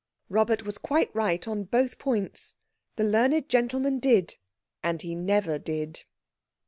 Robert was quite right on both points. The learned gentleman did. And he never did.